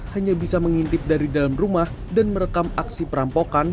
hanya bisa mengintip dari dalam rumah dan merekam aksi perampokan